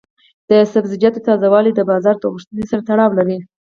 د سبزیجاتو تازه والي د بازار د غوښتنې سره تړاو لري.